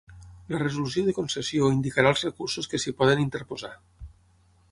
La resolució de concessió indicarà els recursos que s'hi poden interposar.